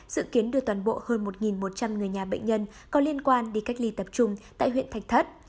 dự kiến đưa toàn bộ hơn một một trăm linh người nhà bệnh nhân có liên quan đi cách ly tập trung tại huyện thạch thất